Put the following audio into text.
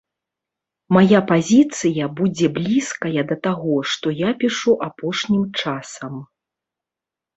Мая пазіцыя будзе блізкая да таго, што я пішу апошнім часам.